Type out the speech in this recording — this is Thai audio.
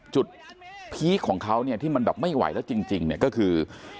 พีคของเขาเนี่ยที่มันแบบไม่ไหวแล้วจริงเนี่ยก็คือ